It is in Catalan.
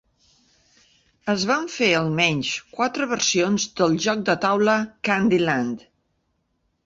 Es van fer almenys quatre versions del joc de taula "Candy Land".